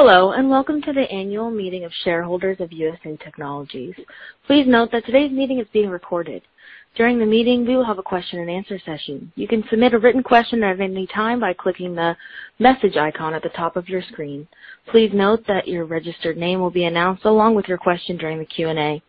Hello, welcome to the annual meeting of shareholders of USA Technologies. Please note that today's meeting is being recorded. During the meeting, we will have a question and answer session. You can submit a written question at any time by clicking the message icon at the top of your screen. Please note that your registered name will be announced along with your question during the Q&A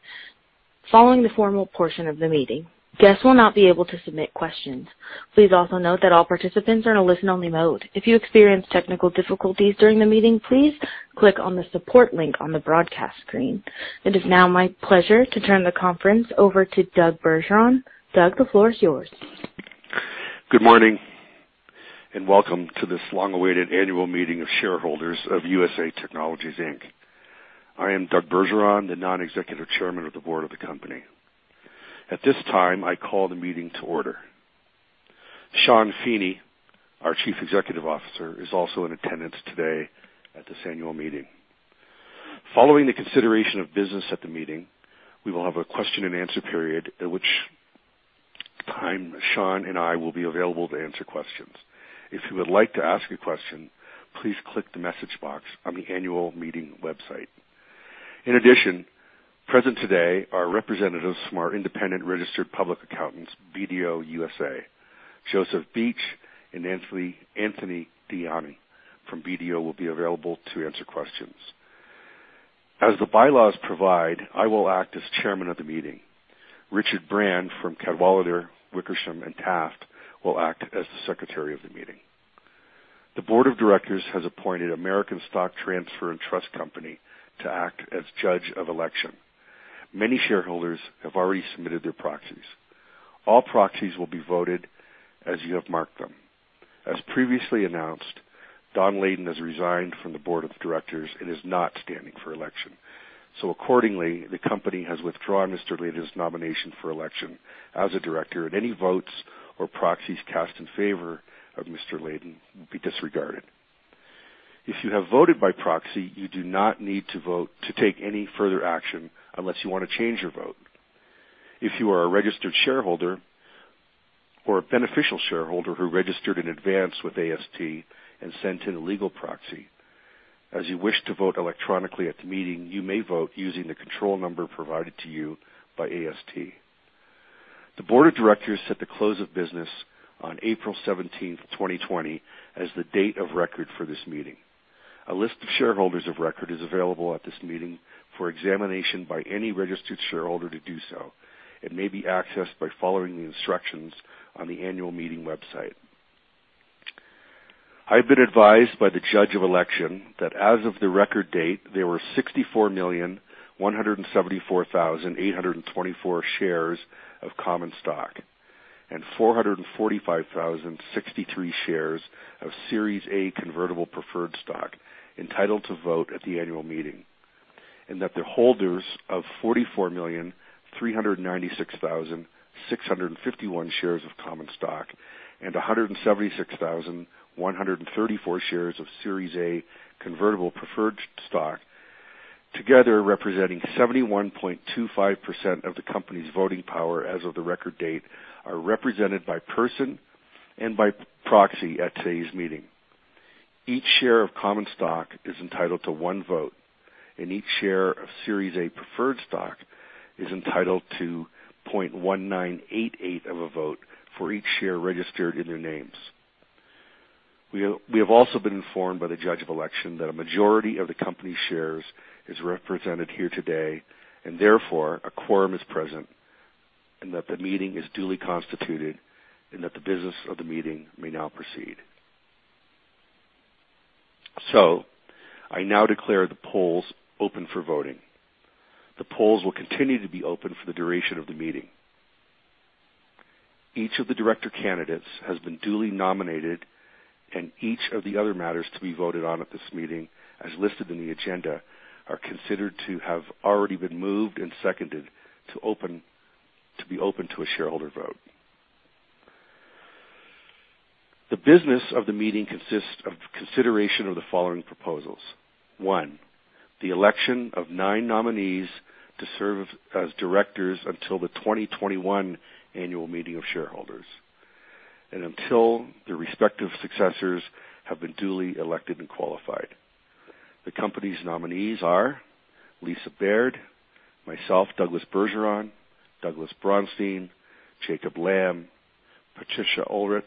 following the formal portion of the meeting. Guests will not be able to submit questions. Please also note that all participants are in a listen-only mode. If you experience technical difficulties during the meeting, please click on the support link on the broadcast screen. It is now my pleasure to turn the conference over to Doug Bergeron. Doug, the floor is yours. Good morning, welcome to this long-awaited annual meeting of shareholders of USA Technologies, Inc. I am Doug Bergeron, the Non-Executive Chairman of the Board of the company. At this time, I call the meeting to order. Sean Feeney, our Chief Executive Officer, is also in attendance today at this annual meeting. Following the consideration of business at the meeting, we will have a question and answer period, at which time Sean and I will be available to answer questions. If you would like to ask a question, please click the message box on the annual meeting website. In addition, present today are representatives from our independent registered public accountants, BDO USA. Joseph Beach and Anthony Diani from BDO will be available to answer questions. As the bylaws provide, I will act as chairman of the meeting. Richard Brand from Cadwalader, Wickersham & Taft will act as the secretary of the meeting. The board of directors has appointed American Stock Transfer & Trust Company to act as judge of election. Many shareholders have already submitted their proxies. All proxies will be voted as you have marked them. As previously announced, Don Layden has resigned from the board of directors and is not standing for election. Accordingly, the company has withdrawn Mr. Layden's nomination for election as a director, and any votes or proxies cast in favor of Mr. Layden will be disregarded. If you have voted by proxy, you do not need to vote to take any further action unless you want to change your vote. If you are a registered shareholder or a beneficial shareholder who registered in advance with AST and sent in a legal proxy, as you wish to vote electronically at the meeting, you may vote using the control number provided to you by AST. The board of directors set the close of business on April 17th, 2020, as the date of record for this meeting. A list of shareholders of record is available at this meeting for examination by any registered shareholder to do so and may be accessed by following the instructions on the annual meeting website. I have been advised by the judge of election that as of the record date, there were 64,174,824 shares of common stock and 445,063 shares of Series A convertible preferred stock entitled to vote at the annual meeting. That the holders of 44,396,651 shares of common stock and 176,134 shares of Series A convertible preferred stock, together representing 71.25% of the company's voting power as of the record date, are represented by person and by proxy at today's meeting. Each share of common stock is entitled to one vote, and each share of Series A preferred stock is entitled to 0.1988 of a vote for each share registered in their names. We have also been informed by the judge of election that a majority of the company's shares is represented here today and therefore a quorum is present and that the meeting is duly constituted and that the business of the meeting may now proceed. I now declare the polls open for voting. The polls will continue to be open for the duration of the meeting. Each of the director candidates has been duly nominated, and each of the other matters to be voted on at this meeting, as listed in the agenda, are considered to have already been moved and seconded to be open to a shareholder vote. The business of the meeting consists of consideration of the following proposals. One, the election of nine nominees to serve as directors until the 2021 annual meeting of shareholders and until their respective successors have been duly elected and qualified. The company's nominees are Lisa Baird, myself, Douglas Bergeron, Douglas Braunstein, Jacob Lamm, Patricia Oelrich,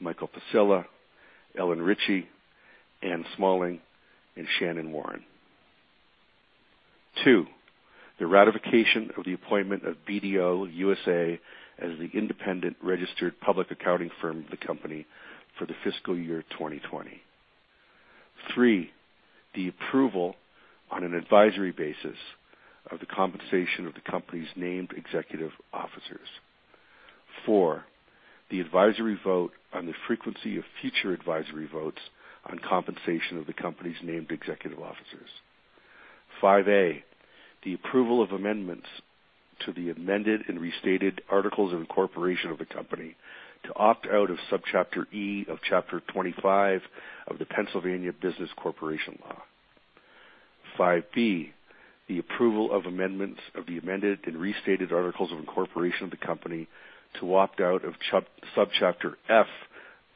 Michael Passilla, Ellen Richey, Anne Smalling, and Shannon Warren. Two, the ratification of the appointment of BDO USA as the independent registered public accounting firm of the company for the fiscal year 2020. Three, the approval on an advisory basis of the compensation of the company's named executive officers. Four, the advisory vote on the frequency of future advisory votes on compensation of the company's named executive officers. Five A, the approval of amendments to the amended and restated articles of incorporation of the company to opt out of Subchapter E of Chapter 25 of the Pennsylvania Business Corporation Law. Five B, the approval of amendments of the amended and restated articles of incorporation of the company to opt out of Subchapter F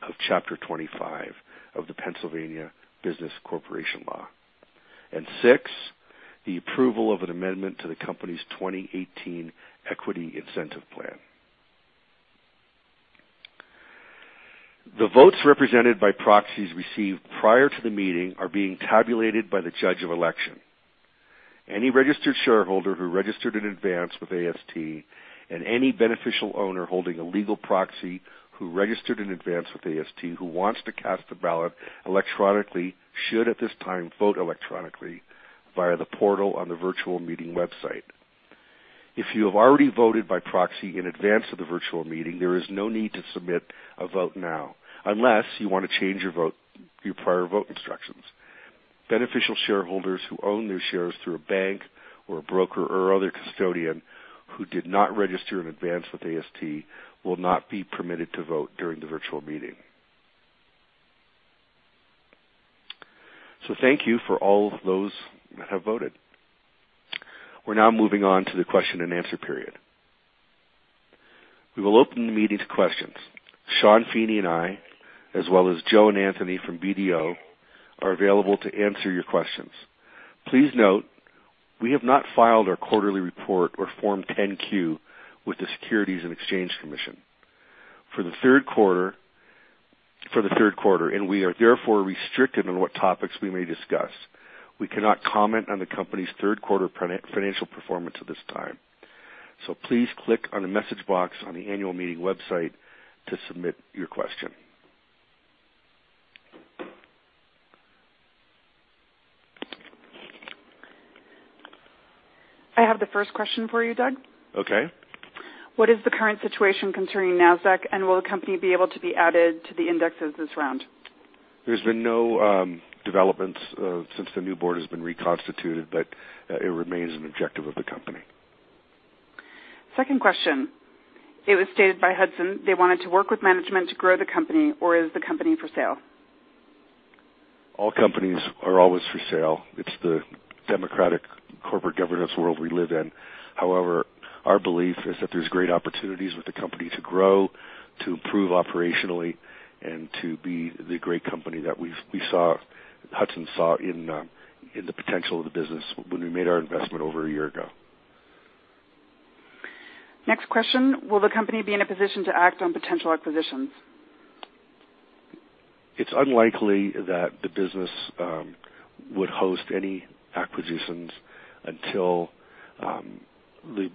of Chapter 25 of the Pennsylvania Business Corporation Law. Six, the approval of an amendment to the company's 2018 equity incentive plan. The votes represented by proxies received prior to the meeting are being tabulated by the judge of election. Any registered shareholder who registered in advance with AST and any beneficial owner holding a legal proxy who registered in advance with AST, who wants to cast a ballot electronically, should, at this time, vote electronically via the portal on the virtual meeting website. If you have already voted by proxy in advance of the virtual meeting, there is no need to submit a vote now unless you want to change your prior vote instructions. Beneficial shareholders who own their shares through a bank or a broker or other custodian who did not register in advance with AST will not be permitted to vote during the virtual meeting. Thank you for all those that have voted. We're now moving on to the question and answer period. We will open the meeting to questions. Sean Feeney and I, as well as Joseph and Anthony from BDO, are available to answer your questions. Please note we have not filed our quarterly report or Form 10-Q with the Securities and Exchange Commission for the third quarter, and we are therefore restricted on what topics we may discuss. We cannot comment on the company's third quarter financial performance at this time. Please click on the message box on the annual meeting website to submit your question. I have the first question for you, Doug. Okay. What is the current situation concerning Nasdaq, and will the company be able to be added to the indexes this round? There's been no developments since the new board has been reconstituted, but it remains an objective of the company. Second question. It was stated by Hudson they wanted to work with management to grow the company, or is the company for sale? All companies are always for sale. It's the democratic corporate governance world we live in. However, our belief is that there's great opportunities with the company to grow, to improve operationally, and to be the great company that Hudson saw in the potential of the business when we made our investment over a year ago. Next question. Will the company be in a position to act on potential acquisitions? It's unlikely that the business would host any acquisitions until the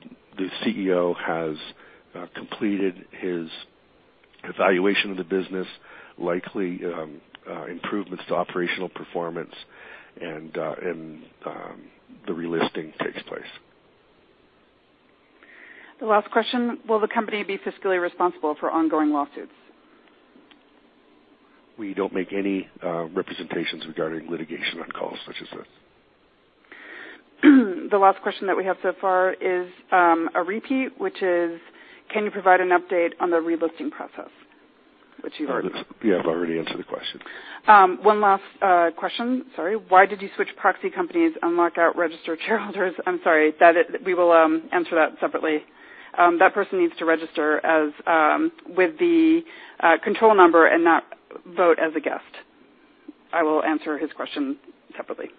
CEO has completed his evaluation of the business, likely improvements to operational performance, and the relisting takes place. The last question. Will the company be fiscally responsible for ongoing lawsuits? We don't make any representations regarding litigation on calls such as this. The last question that we have so far is a repeat, which is can you provide an update on the relisting process? Yes, I've already answered the question. One last question. Sorry. Why did you switch proxy companies and lock out registered shareholders? I'm sorry. We will answer that separately. That person needs to register with the control number and not vote as a guest. I will answer his question separately.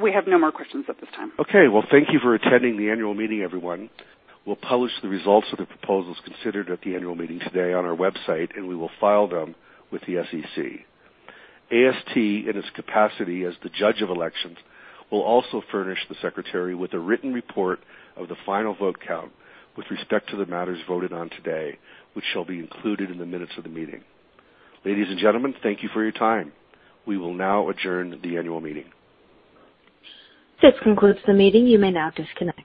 We have no more questions at this time. Well, thank you for attending the annual meeting, everyone. We'll publish the results of the proposals considered at the annual meeting today on our website, and we will file them with the SEC. AST, in its capacity as the judge of elections, will also furnish the secretary with a written report of the final vote count with respect to the matters voted on today, which shall be included in the minutes of the meeting. Ladies and gentlemen, thank you for your time. We will now adjourn the annual meeting. This concludes the meeting. You may now disconnect.